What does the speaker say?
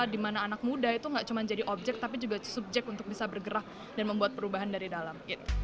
dimana anak muda itu gak cuma jadi objek tapi juga subjek untuk bisa bergerak dan membuat perubahan dari dalam